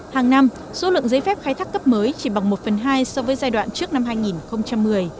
hàng năm số lượng giấy phép khai thác cấp mới chỉ bằng một phần hai so với giai đoạn trước năm hai nghìn một mươi